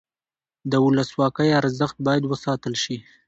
د ولسواکۍ ارزښت باید وساتل شي